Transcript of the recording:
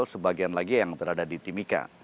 sebagian lagi yang berada di timika